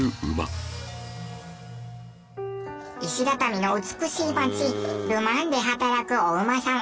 石畳の美しい街ルマンで働くお馬さん。